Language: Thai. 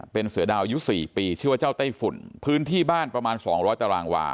เป็นเสือดาวอายุ๔ปีชื่อว่าเจ้าไต้ฝุ่นพื้นที่บ้านประมาณ๒๐๐ตารางวา